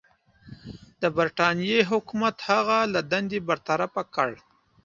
د برټانیې حکومت هغه له دندې برطرفه کړ.